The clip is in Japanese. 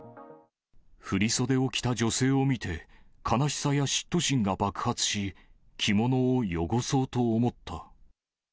振り袖を着た女性を見て、悲しさや嫉妬心が爆発し、着物を汚そうと思った。